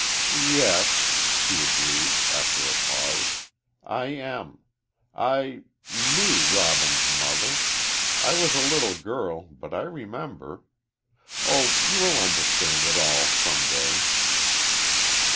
"Yes," she agreed, after a pause, "I am. I knew Robin's mother. I was a little girl, but I remember. Oh, you will understand it all, some day."